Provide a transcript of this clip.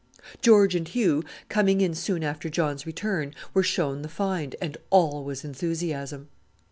George and Hugh, coming in soon after John's return, were shown the find, and all was enthusiasm.